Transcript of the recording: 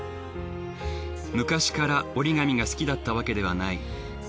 昔から折り紙が好きだったわけではない。